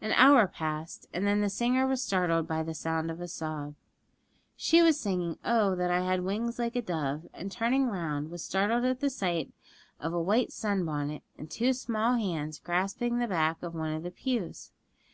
An hour passed, and then the singer was startled by the sound of a sob. She was singing 'Oh, that I had wings like a dove!' and turning round, was startled at the sight of a white sun bonnet and two small hands grasping the back of one of the pews.